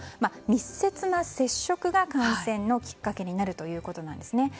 密接な接触が感染のきっかけになるということなんですね。